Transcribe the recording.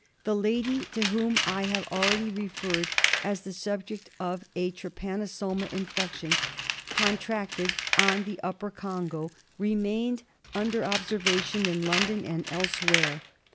The lady to whom I have already referred as the subject of a trypanosoma infection contracted on the tipper Congo, remained under 122 THE SLEEPING SICKNESS. observation in London and elsewhere.